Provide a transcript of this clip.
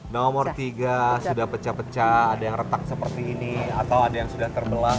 nomor tiga sudah pecah pecah ada yang retak seperti ini atau ada yang sudah terbelah